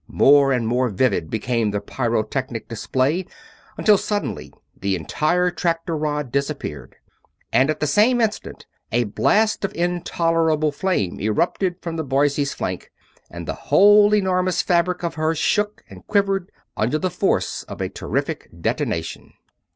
More and more vivid became the pyrotechnic display, until suddenly the entire tractor rod disappeared. At the same instant a blast of intolerable flame erupted from the Boise's flank and the whole enormous fabric of her shook and quivered under the force of a terrific detonation.